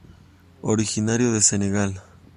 Originario de Senegal.